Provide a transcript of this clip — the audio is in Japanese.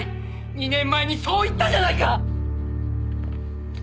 ２年前にそう言ったじゃないか！